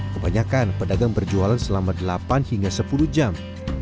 kebanyakan pedagang berjualan selama delapan hingga sepuluh jam